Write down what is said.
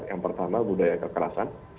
yang pertama budaya kekerasan